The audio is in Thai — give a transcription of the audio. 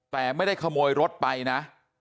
แต่ไม่ได้ขโมยรถไปนะ